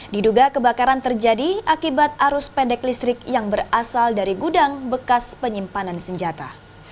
diduga kebakaran terjadi akibat arus pendek listrik yang berasal dari gudang bekas penyimpanan senjata